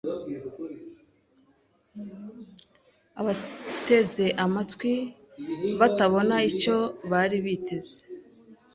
abateze amatwi batabona icyo bari biteze.